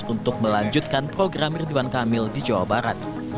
untuk melanjutkan program ridwan kamil di jawa barat